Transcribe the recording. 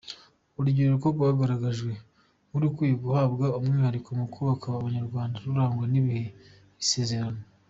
Urubyiruko rwagaragajwe nk’urukwiye guhabwa umwihariko mu kubaka Umunyarwanda urangwa n’ibihe Isi igezemo.